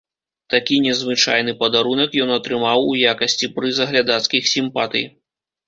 Такі незвычайны падарунак ён атрымаў у якасці прыза глядацкіх сімпатый.